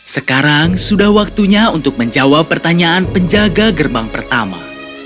sekarang sudah waktunya untuk menjawab pertanyaan penjaga gerbang pertama